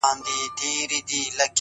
دا څه ليونى دی بيـا يـې وويـل؛